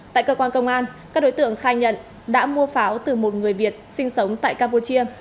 tại cơ quan công an các đối tượng khai nhận đã mua pháo từ một người việt sinh sống tại campuchia